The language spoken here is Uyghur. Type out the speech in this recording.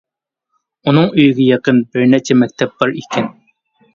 ئۇنىڭ ئۆيىگە يېقىن بىر نەچچە مەكتەپ بار ئىكەن.